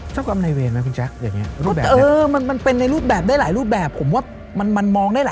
เจ้ากรรมนายเหวนไหมพี่แจ๊คหรือยังไง